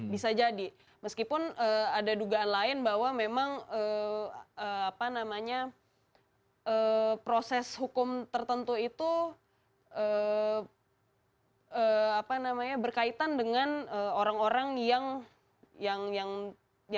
bisa jadi meskipun ada dugaan lain bahwa memang apa namanya proses hukum tertentu itu berkaitan dengan orang orang yang tidak apa ya bahasanya